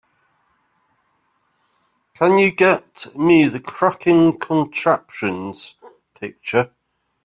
Can you get me the Cracking Contraptions picture?